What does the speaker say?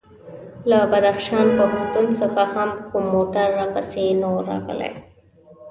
له بدخشان پوهنتون څخه هم کوم موټر راپسې نه و راغلی.